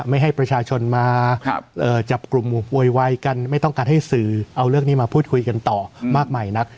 ไม่ให้ประชาชนมาจับกลุ่มโวยวายกันไม่ต้องการให้สื่อเอาเรื่องนี้มาพูดคุยกันต่อมากมายนัก